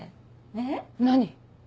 えっ？何？